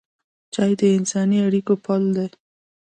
چای د انساني اړیکو پل دی.